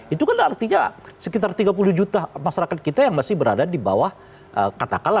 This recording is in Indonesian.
itu kan artinya sekitar tiga puluh juta masyarakat kita yang masih berada di bawah kata kalat ya kehidupan yang berbeda